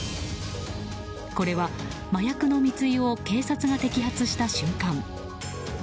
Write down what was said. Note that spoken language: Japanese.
これは、麻薬の密輸を警察が摘発した瞬間。